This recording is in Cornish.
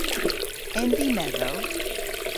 En vy medhow?